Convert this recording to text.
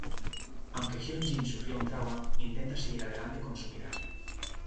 Aunque Hyun-jin sufrió un trauma, intenta seguir adelante con su vida.